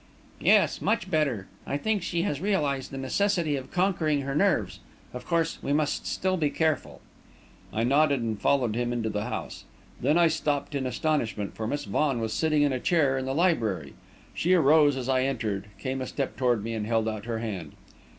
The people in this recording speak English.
"Yes, much better. I think she has realised the necessity of conquering her nerves. Of course, we must still be careful." I nodded, and followed him into the house. Then I stopped in astonishment, for Miss Vaughan was sitting in a chair in the library. She rose as I entered, came a step toward me and held out her hand.